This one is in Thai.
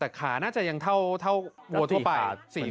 แต่ขาน่าจะยังเท่าวัวทั่วไป